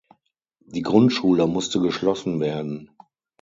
Die Gundschule musste geschlossen werden.